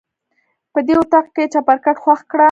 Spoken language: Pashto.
په دې اطاق کې چپرکټ خوښ کړه.